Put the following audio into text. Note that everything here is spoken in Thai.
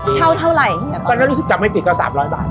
เท่าไหร่ตอนนั้นรู้สึกจับไม่ผิดก็สามร้อยบาท